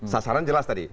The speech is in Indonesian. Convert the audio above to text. sasaran jelas tadi